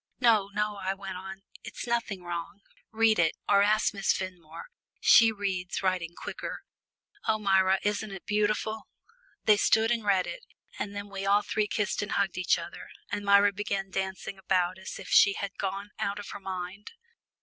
"No, no," I went on, "it's nothing wrong. Read it, or ask Miss Fenmore she reads writing quicker. Oh, Myra, isn't it beautiful?" They soon read it, and then we all three kissed and hugged each other, and Myra began dancing about as if she had gone out of her mind.